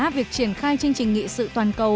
việc triển khai chương trình nghị sự toàn cầu